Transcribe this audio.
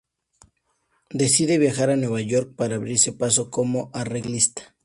Decide viajar a Nueva York para abrirse paso como arreglista.